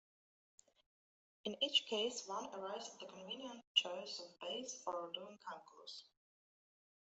In each case, one arrives at a convenient choice of base for doing calculus.